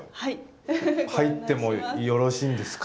入ってもよろしいんですか？